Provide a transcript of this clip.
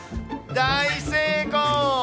大成功。